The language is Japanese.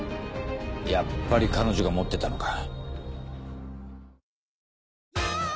やっぱり彼女が持ってたのか。